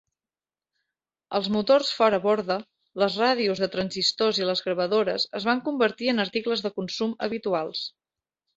Els motors fora borda, les ràdios de transistors i les gravadores es van convertir en articles de consum habituals.